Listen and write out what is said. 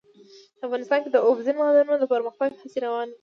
افغانستان کې د اوبزین معدنونه د پرمختګ هڅې روانې دي.